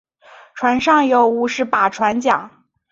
船上有五十把船浆。